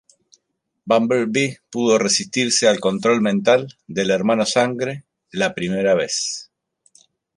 Bumblebee pudo resistirse al control mental del Hermano Sangre la primera vez.